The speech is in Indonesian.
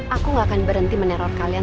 aku gak akan berhenti meneror kalian